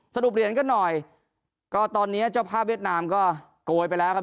เหรียญกันหน่อยก็ตอนนี้เจ้าภาพเวียดนามก็โกยไปแล้วครับ